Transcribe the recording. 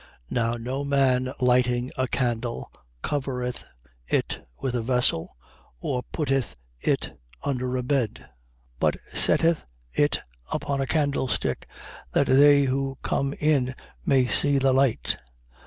8:16. Now no man lighting a candle covereth it with a vessel or putteth it under a bed: but setteth it upon a candlestick, that they who come in may see the light.